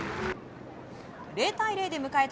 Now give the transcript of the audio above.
０対０で迎えた